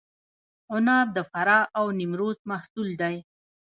عناب د فراه او نیمروز محصول دی.